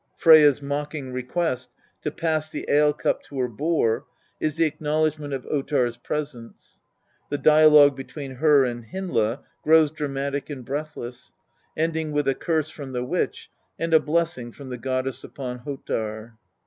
Freyja's mocking request to pass the ale cup to her boar is the acknowledgment of Ottar's presence; the dialogue between her and Hyndla grows dramatic and breathless, ending with a curse from the witch and a blessing from the goddess upon Ottar.